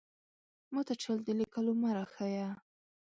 ماته چل د ليکلو مۀ راښايه!